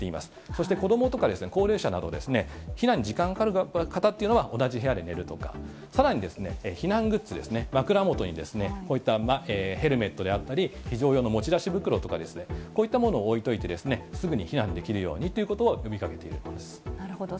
そして子どもとか高齢者など、避難に時間がかかる方というのは同じ部屋で寝るとか、さらに避難グッズですね、枕元にこういったヘルメットであったり、非常用の持ち出し袋とか、こういったものを置いといて、すぐに避難できるようにというこなるほど。